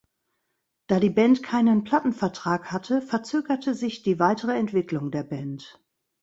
Da die Band keinen Plattenvertrag hatte, verzögerte sich die weitere Entwicklung der Band.